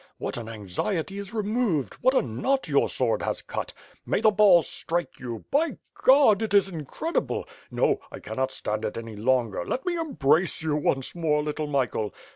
What an anxiety is removed, what a knot your sword has cut! May the balls strike you! by God! it is incredible; no, I cannot stand it any longer; let me em brace you once more, little Michael.